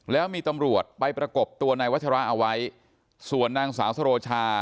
แล้วมีตำรวจไปประกบตัวนายวัชราเอาไว้ส่วนนางสาวสโรชา